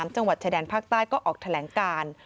จังหวัดชายแดนภาคใต้ก็ออกแถลงการ